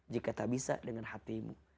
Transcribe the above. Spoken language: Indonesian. jika tak bisa dengan hatimu